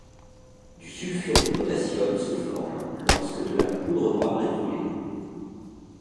Du sulfure de potassium se forme lorsque de la poudre noire est brûlée.